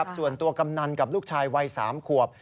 ส่วนตัวกำนันกับลูกชายวัย๓ควบ